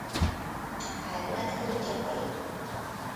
Helgoland körül gyakori.